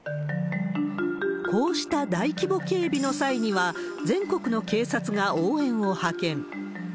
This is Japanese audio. こうした大規模警備の際には、全国の警察が応援を派遣。